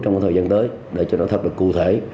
trong thời gian tới để cho nó thật là cụ thể